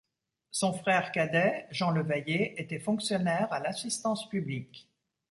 Son frère cadet, Jean Levayer, était fonctionnaire à l'Assistance publique.